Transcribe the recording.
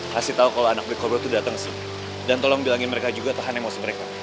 kasih tahu kalau anak anak coba tuh datang dan tolong bilangin mereka juga tahan emosi mereka